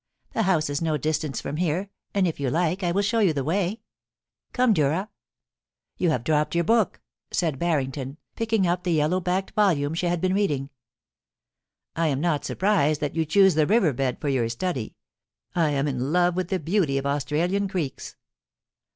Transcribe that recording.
The house is no distance from here, and if you like I will show you the way. Come, Durra.' * You have dropped your book,' said Barrington, picking up the yellow backed volume she had been reading. * I am not surprised that you choose the river bed for your study. I am in love with the beauty of Australian creeks.